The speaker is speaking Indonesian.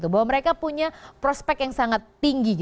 bahwa mereka punya prospek yang sangat tinggi